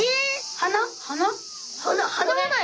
鼻はない。